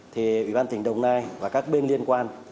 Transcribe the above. thì ủy ban tỉnh đồng nai và các bên liên quan